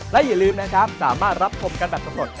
และอย่าลืมนะครับสามารถรับชมกันแบบสำรวจ